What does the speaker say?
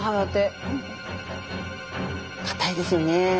硬いですよね。